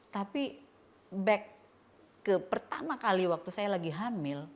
tapi kembali ke pertama kali waktu saya lagi hamil